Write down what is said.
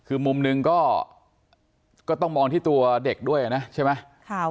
คือมุมหนึ่งก็ต้องมองที่ตัวเด็กด้วยนะใช่ไหม